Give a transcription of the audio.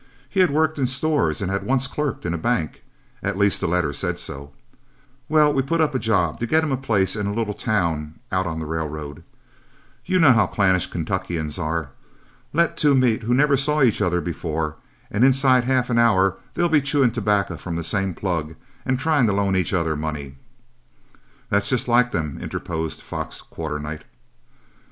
He had worked in stores and had once clerked in a bank, at least the letters said so. Well, we put up a job to get him a place in a little town out on the railroad. You all know how clannish Kentuckians are. Let two meet who never saw each other before, and inside of half an hour they'll be chewing tobacco from the same plug and trying to loan each other money." "That's just like them," interposed Fox Quarternight.